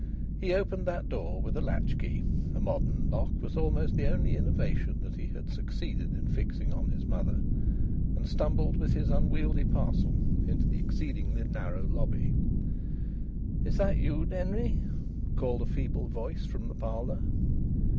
He opened that door with a latch key (a modern lock was almost the only innovation that he had succeeded in fixing on his mother), and stumbled with his unwieldy parcel into the exceedingly narrow lobby. "Is that you, Denry?" called a feeble voice from the parlour.